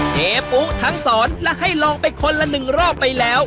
เจ๊ปุ๊ทั้งสอนและให้ลองไปคนละหนึ่งรอบไปแล้ว